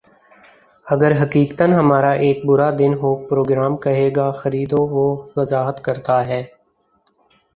اگر حقیقتا ہمارا ایک برا دن ہو پروگرام کہے گا خریدو وہ وضاحت کرتا ہے